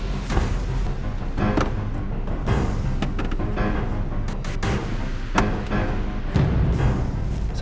saya tunggu kamu elsa